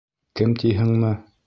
Кем тиһеңме?